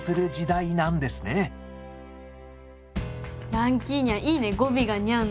ランキーにゃんいいね語尾がニャンで。